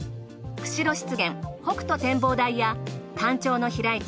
釧路湿原北斗展望台やタンチョウの飛来地